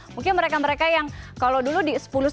mungkin mereka mereka yang masih punya tempat